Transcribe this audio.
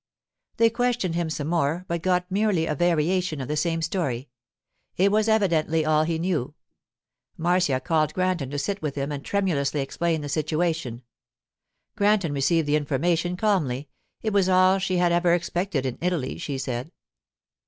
They questioned him some more, but got merely a variation of the same story; it was evidently all he knew. Marcia called Granton to sit with him and tremulously explained the situation. Granton received the information calmly; it was all she had ever expected in Italy, she said.